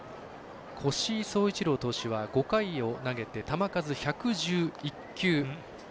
越井颯一郎投手は５回を投げて球数１１１球。